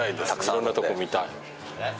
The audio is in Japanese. いろんなとこ見たい。